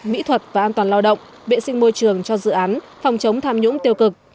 mỹ thuật và an toàn lao động vệ sinh môi trường cho dự án phòng chống tham nhũng tiêu cực